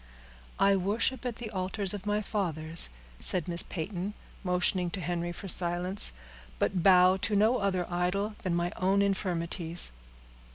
"I worship at the altars of my fathers," said Miss Peyton, motioning to Henry for silence; "but bow to no other idol than my own infirmities."